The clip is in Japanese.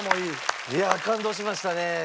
いや感動しましたね。